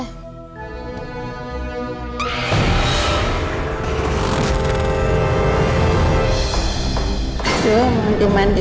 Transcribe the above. aku udah mandi nek